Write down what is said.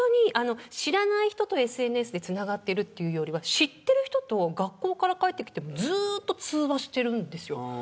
知らない人と、ＳＮＳでつながってるというより知ってる人と学校から帰ってきてずーっと通話してるんですよ。